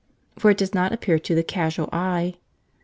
For it does not appear to the casual eye.